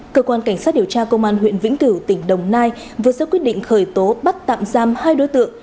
cơ quan cảnh sát điều tra công an huyện vĩnh cửu tỉnh đồng nai vừa ra quyết định khởi tố bắt tạm giam hai đối tượng